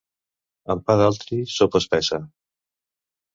Amb pa d'altri, sopa espessa.